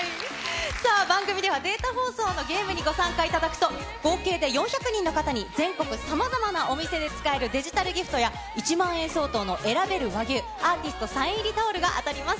さあ、番組ではデータ放送のゲームにご参加いただくと、合計で４００人の方に、全国さまざまなお店で使えるデジタルギフトや、１万円相当の選べる和牛、アーティストサイン入りタオルが当たります。